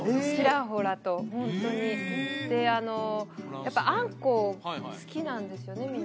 ちらほらとホントにやっぱあんこ好きなんですよね